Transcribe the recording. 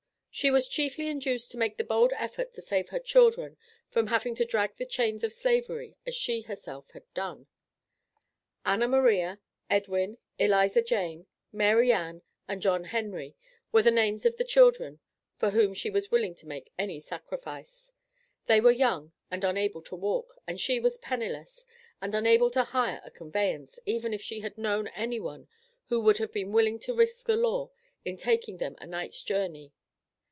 She was chiefly induced to make the bold effort to save her children from having to drag the chains of Slavery as she herself had done. Anna Maria, Edwin, Eliza Jane, Mary Ann, and John Henry were the names of the children for whom she was willing to make any sacrifice. They were young; and unable to walk, and she was penniless, and unable to hire a conveyance, even if she had known any one who would have been willing to risk the law in taking them a night's journey.